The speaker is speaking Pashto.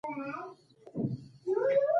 • د کلي سپین ږیري د جومات په صحنه کښېناستل.